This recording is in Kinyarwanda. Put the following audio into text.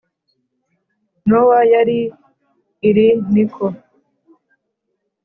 Nowa yari iri ni ko